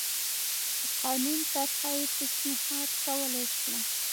د قانون طرحه یې پېشنهاد کولای شوه